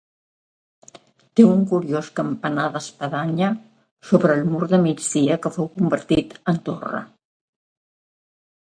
Té un curiós campanar d'espadanya sobre el mur de migdia que fou convertit en torre.